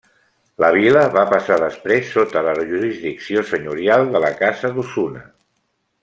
La vila va passar després sota la jurisdicció senyorial de la Casa d'Osuna.